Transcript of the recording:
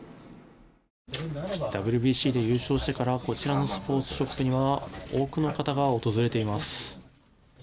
ＷＢＣで優勝してからこちらのスポーツショップには多くの方が訪れています。